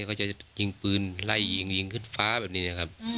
เขาจะยิงปืนไล่ยิงยิงขึ้นฟ้าแบบนี้นะครับ